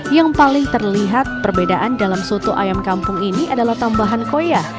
yang paling terlihat perbedaan dalam soto ayam kampung ini adalah tambahan koya